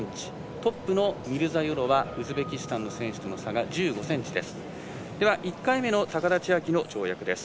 トップのミルザヨロワウズベキスタンの選手との差は１５ｃｍです。